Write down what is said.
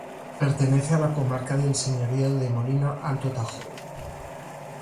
Pertenece a la comarca del Señorío de Molina-Alto Tajo.